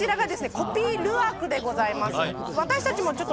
コピ・ルアクでございます。